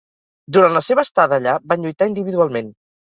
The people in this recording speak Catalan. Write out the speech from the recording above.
Durant la seva estada allà van lluitar individualment.